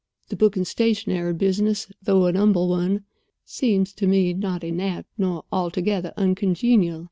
The book and stationery business, though an humble one, seems to me not inapt nor altogether uncongenial.